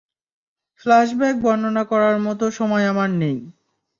Flashback বর্ণনা করার মতো সময় আমার নেই।